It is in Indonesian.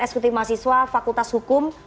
eksekutif mahasiswa fakultas hukum